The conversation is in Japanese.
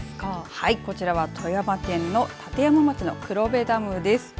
はい、こちらは富山県の立山町の黒部ダムです。